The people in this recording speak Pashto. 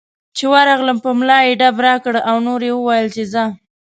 چې ورغلم په ملا یې ډب راکړ او نور یې وویل چې ځه.